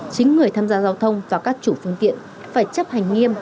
chính người tham gia giao thông và các chủ phương tiện phải chấp hành nghiêm